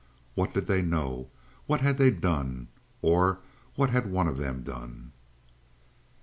What did they know? What had they done? Or what had one of them done?